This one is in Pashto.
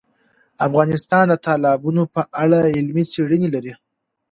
افغانستان د تالابونه په اړه علمي څېړنې لري.